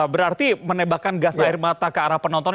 berarti menembakkan gas air mata ke arah penonton